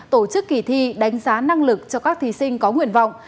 tổ chức kỳ thi đánh giá năng lực cho các thí sinh có nguyện vọng